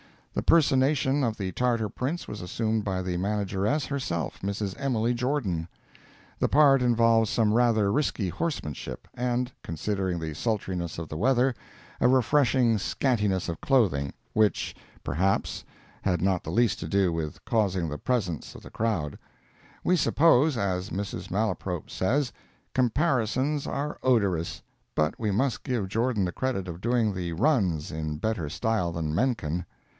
The personation of the Tartar Prince was assumed by the manageress herself—Mrs. Emily Jordan. The part involves some rather risky horsemanship, and, considering the sultriness of the weather, a refreshing scantiness of clothing, which, perhaps, had not the least to do with causing the presence of the crowd. We suppose, as Mrs. Malaprop says, "comparisons are odorous," but we must give Jordan the credit of doing the "runs" in better style than Menken.